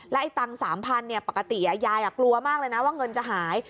แล้วไอ้ตังสามพันเนี่ยปกติยายกลัวมากเลยนะว่าเงินจะหาย